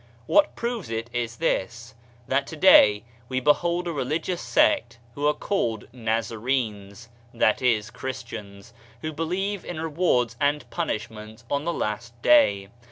What proves it is this — that today we behold a religious sect who are called Na zarenes {i.e. Christians), who believe in rewards and punishments on the Last Day.